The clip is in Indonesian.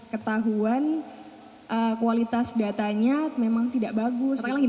ketahuan kualitas datanya memang tidak bagus